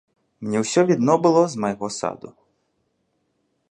Мне ўсё відно было з майго саду.